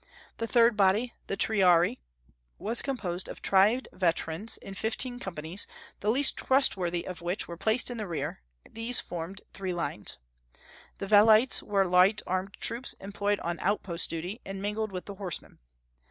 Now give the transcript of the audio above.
The third body, the Triarii, was composed of tried veterans, in fifteen companies, the least trustworthy of which were placed in the rear; these formed three lines. The Velites were light armed troops, employed on out post duty, and mingled with the horsemen.